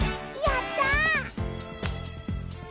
やった！